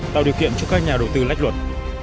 tạo điều kiện cho các nhà đầu tư lách luật